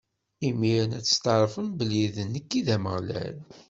Imiren ad testɛeṛfem belli d nekk i d Ameɣlal.